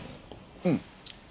うん。